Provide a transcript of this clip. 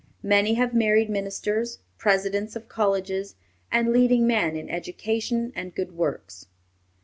Many have married ministers, presidents of colleges, and leading men in education and good works.